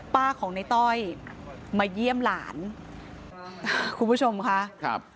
ป้าของในต้อยมาเยี่ยมหลานคุณผู้ชมค่ะครับ